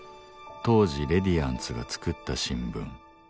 当時レディアンツが作った新聞。